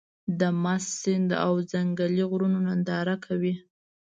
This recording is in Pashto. د مست سيند او ځنګلي غرونو ننداره کوې.